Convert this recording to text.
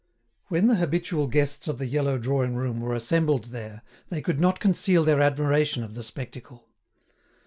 When the habitual guests of the yellow drawing room were assembled there they could not conceal their admiration of the spectacle.